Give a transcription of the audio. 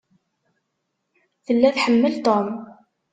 Tella tḥemmel Tom.